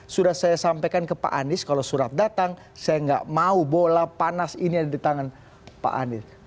sudah saya sampaikan ke pak anies kalau surat datang saya nggak mau bola panas ini ada di tangan pak anies